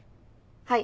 はい。